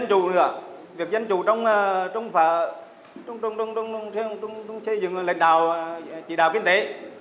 thì việc dân chủ trong phở trong xây dựng lãnh đạo chỉ đạo kinh tế